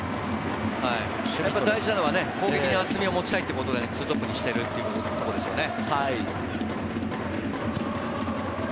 大事なのは攻撃に厚みを持ちたいということで２トップにしているということですよね。